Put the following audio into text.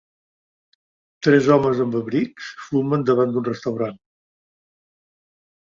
Tres homes amb abrics fumen davant d'un restaurant.